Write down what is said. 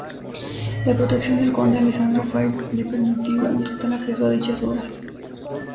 La protección del conde Alessandro Fava le permitió un total acceso a dichas obras.